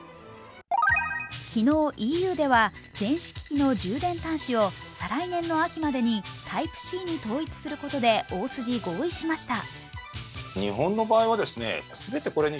昨日、ＥＵでは電子機器の充電タイプを再来年の秋までにタイプＣに統一することで大筋合意しました。